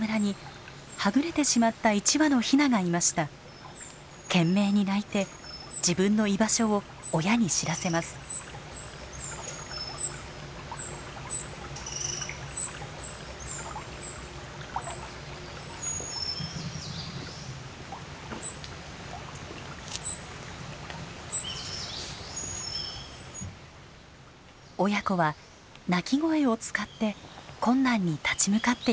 親子は鳴き声を使って困難に立ち向かっていくのです。